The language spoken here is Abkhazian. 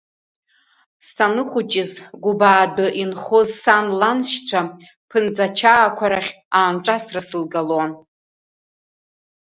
Саныхәыҷыз Гәыбаадәы инхоз сан ланшьцәа Ԥынӡачаақәа рахь аанҿасра сылгалон.